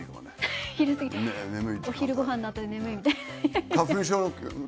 お昼ごはんのあとで眠いみたいな。